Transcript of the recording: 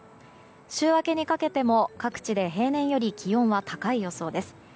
週明けにかけても各地で平年より気温は高い予想です。